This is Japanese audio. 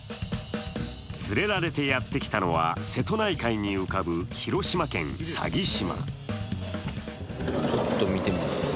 連れられてやってきたのは瀬戸内海に浮かぶ広島県・佐木島。